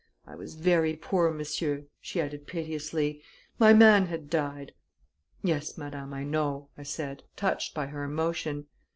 I was ver' poor, monsieur," she added piteously. "My man had died " "Yes, madame, I know," I said, touched by her emotion.